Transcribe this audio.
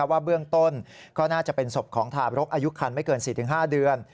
ว่าเบื้องต้นก็น่าจะเป็นศพของทาบรกอายุคันไม่เกิน๔๕เดือน